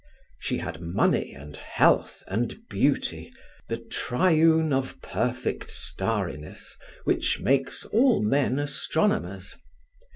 She had money and health and beauty, the triune of perfect starriness, which makes all men astronomers.